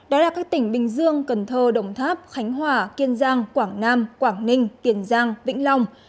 đó là các tỉnh bình dương cần thơ đồng tháp khánh hòa kiên giang quảng nam quảng ninh tiền giang vĩnh long